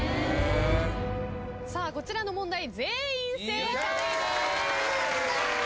こちらの問題全員正解です。